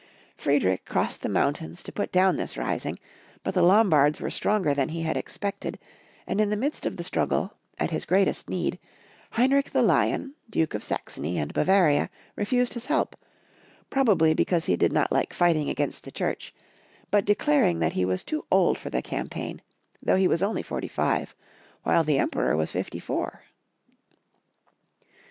Friedrich crossed the mountains to put down this rising, but the Lom bards were stronger than he had expected, and in the midst of the struggle, at his greatest need, Heinrich the Lion, Duke of Saxony and Bavaria, refused his help, probably because he did not like fighting against the Church, but declaring that he 18d Young Folks^ History of Q ermany. was too old for the campaign, though he was only forty five, while the Emperor was fifty four.